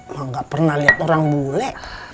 mak gak pernah liat orang bule